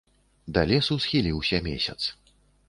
Да лесу схіліўся месяц.